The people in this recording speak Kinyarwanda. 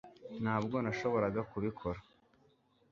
Ntabwo nashoboraga kubikora